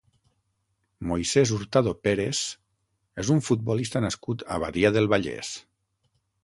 Moisés Hurtado Pérez és un futbolista nascut a Badia del Vallès.